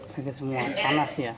sakit semua panas ya